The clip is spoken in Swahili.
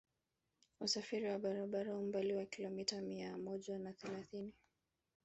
Usafiri wa barabara umbali wa kilomita mia moja na thelathini